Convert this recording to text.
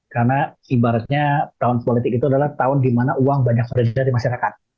karena ibaratnya tahun politik itu adalah tahun di mana uang banyak beredar di masyarakat